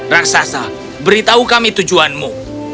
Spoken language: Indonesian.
raksasa beritahu kami tujuanmu